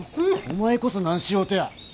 お前こそ何しようとや。